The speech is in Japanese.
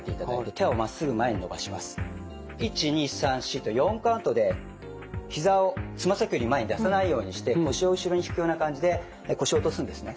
１２３４と４カウントでひざをつま先より前に出さないようにして腰を後ろに引くような感じで腰を落とすんですね。